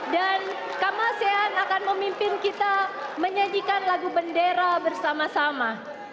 dan kamasean akan memimpin kita menyajikan lagu bendera bersama sama